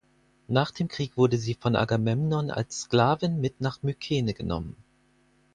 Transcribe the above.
Nach dem Krieg wurde sie von Agamemnon als Sklavin mit nach Mykene genommen.